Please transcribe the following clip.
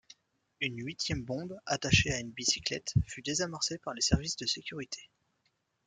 Une huitième bombe, attachée à une bicyclette, fut désamorcée par les services de sécurité.